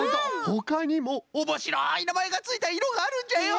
ほかにもおもしろいなまえがついたいろがあるんじゃよ！